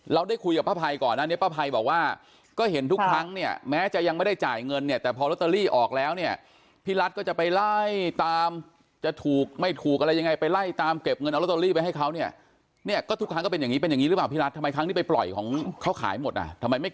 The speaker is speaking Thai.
เราได้คุยกับป้าภัยก่อนอันนี้ป้าภัยบอกว่าก็เห็นทุกครั้งเนี่ยแม้จะยังไม่ได้จ่ายเงินเนี่ยแต่พอลอตเตอรี่ออกแล้วเนี่ยพี่รัฐก็จะไปไล่ตามจะถูกไม่ถูกอะไรยังไงไปไล่ตามเก็บเงินเอาลอตเตอรี่ไปให้เขาเนี่ยเนี่ยก็ทุกครั้งก็เป็นอย่างนี้เป็นอย่างนี้หรือเปล่าพี่รัฐทำไมครั้งนี้ไปปล่อยของเขาขายหมดอ่ะทำไมไม่